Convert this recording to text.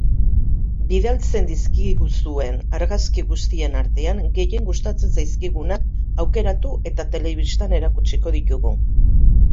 Bidaltzen dizkiguzuen argazki guztien artean gehien gustatzen zaizkigunak aukeratu eta telebistan erakutsiko ditugu.